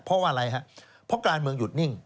เพราะว่าอะไรครับเพราะการเมืองหยุดนิ่ง